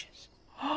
ああ！